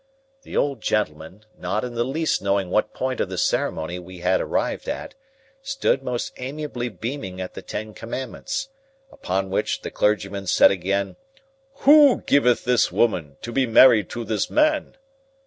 the old gentleman, not in the least knowing what point of the ceremony we had arrived at, stood most amiably beaming at the ten commandments. Upon which, the clergyman said again, "WHO giveth this woman to be married to this man?"